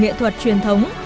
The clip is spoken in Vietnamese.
nghệ thuật truyền thống